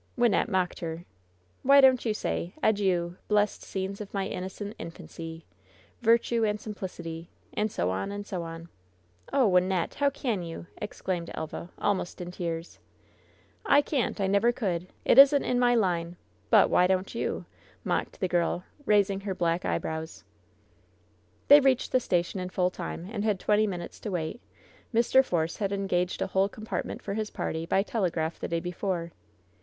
Wynnette mocked her. ^^Why don't you say, 'Adieu, blest scenes of my inno cent infancy! Virtue and simplicity,' and so on and so on !" "Oh, Wynnette! How can you?" exclaimed Elva, almost in tears. "I can't ! I never could ! It isn't in my line ! But why don't you ?" mocked the girl, raising her black eye brows. They reached the station in full time, and had twenty minutes to wait. Mr. Force had engaged a whole com partment for his party by tel^raph the day before.